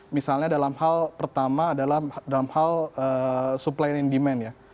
misalnya dalam hal pertama adalah dalam hal supply and in demand ya